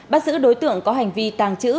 bắt giữ đối tượng có hành vi tàng trữ